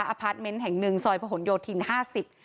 อาพาร์ตเม้นท์แห่งหนึ่งซอยพะห่วนโยทินห้าสิบ